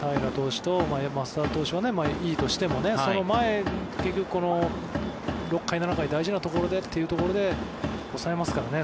平良投手と増田投手はいいとしてもその前、結局、６回、７回大事なところでというところで抑えますからね。